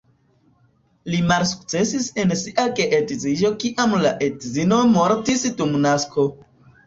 Li malsukcesis en sia geedziĝo kiam la edzino mortis dum nasko.